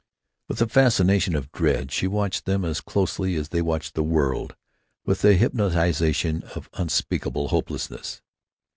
With the fascination of dread she watched them as closely as they watched the world with the hypnotization of unspeakable hopelessness....